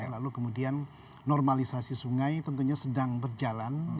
lalu kemudian normalisasi sungai tentunya sedang berjalan